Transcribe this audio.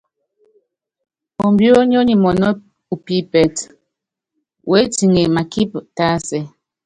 Ombiónyó nyi mɔnɔ́ upípɛtɛ, utiŋe makípi tásɛ.